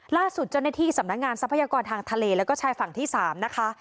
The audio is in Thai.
ล่าสุดเจ้าหน้าที่สำนักงานทรัพยากรทางทะเลแล้วก็ชายฝั่งที่๓นะคะ